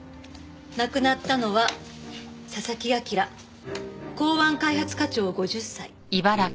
亡くなったのは佐々木朗港湾開発課長５０歳。